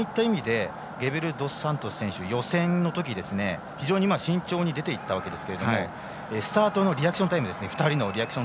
そういった意味でゲベルドスサントス選手は予選のとき、非常に慎重に出ていったわけですけどスタートの２人のリアクションタイム